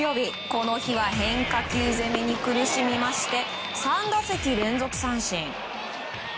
この日は変化球攻めに苦しみまして３打席連続三振。